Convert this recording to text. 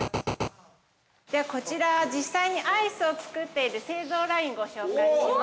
◆こちら、実際にアイスを作っている製造ライン、ご紹介します。